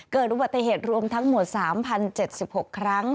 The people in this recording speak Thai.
เกิดอุบัติเหตุรวมทั้งหมด๓๐๗๖ครั้ง